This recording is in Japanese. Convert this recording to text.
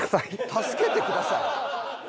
「助けてください」？